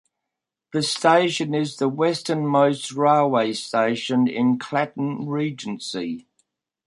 The station is the westernmost railway station in Klaten Regency.